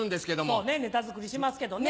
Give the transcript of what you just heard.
そうねネタ作りしますけどね。